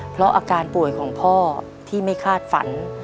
เพราะอาการป่วยของพ่อที่ไม่คาดฝัน